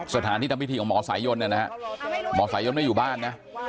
สถานที่ทำพิธีของหมอสายยนเนี่ยนะฮะหมอสายยนไม่อยู่บ้านนะ